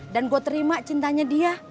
dan gue terima cintanya dia